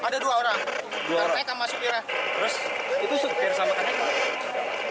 terus itu supir sama kenaikan